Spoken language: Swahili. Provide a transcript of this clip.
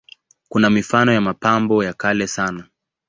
Kuna mifano ya mapambo ya kale sana.